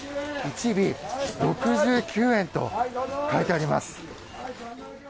１尾６９円と書いてあります。